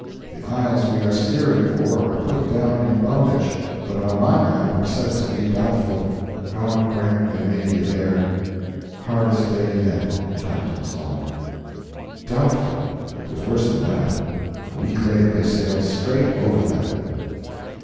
The isles we are steering for are put down in Bowditch, but on my map are said to be doubtful. God grant they may be there! Hardest day yet. Captain's Log. Doubtful! It was worse than that. A week later they sailed straight over them.